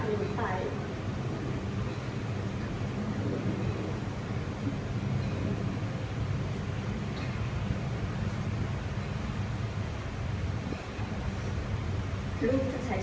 คนที่สงสัยหัวเราะพ่อประทับตัวออุปกรณ์ช่วยห่วงพ่อ